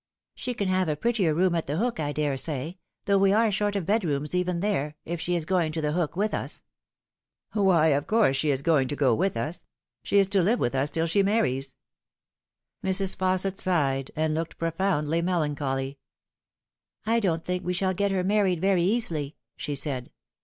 "She can have a prettier room at The Hook, I daresay, though we are short of bedrooms even there if she is to go to The Hook with us." "Why, of course she IB to go with us. She is to live with us till she marries." Mrs. Fausset sighed, and looked profoundly melancholy. " I don't think we shall get her married very easily," she said.